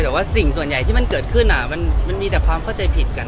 แต่ว่าสิ่งส่วนใหญ่ที่มันเกิดขึ้นมันมีแต่ความเข้าใจผิดกัน